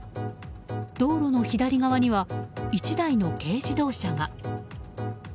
道路の左側には１台の軽自動車が。